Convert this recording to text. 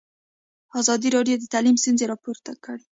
ازادي راډیو د تعلیم ستونزې راپور کړي.